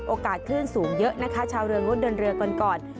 โอกาสขึ้นสูงเยอะนะคะชาวเรืองรถเดินเรือก่อน